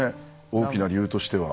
大きな理由としては。